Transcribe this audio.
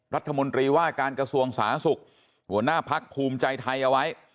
รัฐมนตรีว่าการกระทรวงสาธารณสุขหัวหน้าพักภูมิใจไทยเอาไว้